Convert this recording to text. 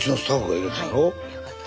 よかった。